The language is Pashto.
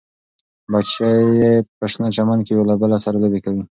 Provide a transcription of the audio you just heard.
بچي یې په شنه چمن کې یو له بل سره لوبې کوي.